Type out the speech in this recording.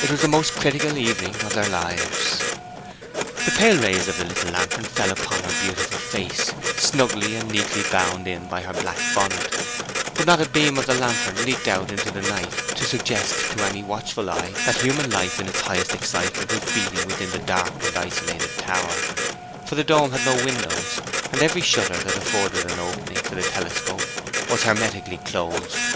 It was the most critical evening of their lives. The pale rays of the little lantern fell upon her beautiful face, snugly and neatly bound in by her black bonnet; but not a beam of the lantern leaked out into the night to suggest to any watchful eye that human life at its highest excitement was beating within the dark and isolated tower; for the dome had no windows, and every shutter that afforded an opening for the telescope was hermetically closed.